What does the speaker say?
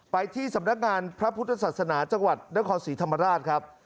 ไปที่สำนักงานพระพุทธศาสนาจังหวัดนครศรีธรรมราชครับ